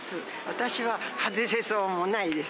私は外せそうもないです。